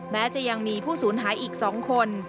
แม้จะยังมีผู้สูญหายอีก๒คน